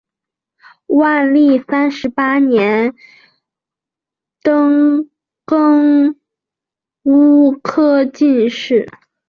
万历三十八年登庚戌科进士。